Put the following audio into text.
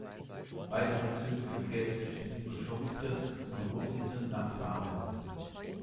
Weitere Züge verkehrten zwischen Libochovice und Roudnice nad Labem.